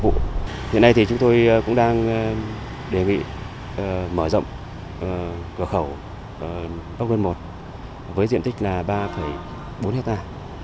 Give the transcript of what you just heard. giờ này chúng tôi cũng đang đề nghị mở rộng cửa khẩu bắc luân i với diện tích là ba bốn ha